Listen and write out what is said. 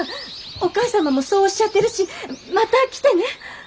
お義母様もそうおっしゃってるしまた来てね！